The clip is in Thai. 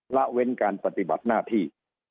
ละเว้นการปฏิบัติหน้าที่